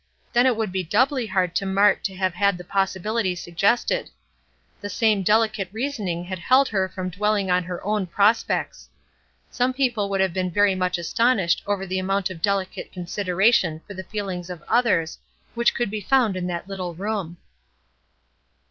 Then it would be doubly hard to Mart to have had the possibility suggested. The same delicate reasoning had held her from dwelling on her own prospects. Some people would have been very much astonished over the amount of delicate consideration for the feelings of others which could be found in that little room.